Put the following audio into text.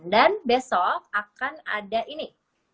dan besok akan ada ini